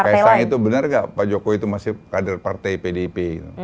kaisang itu benar nggak pak jokowi itu masih kader partai pdip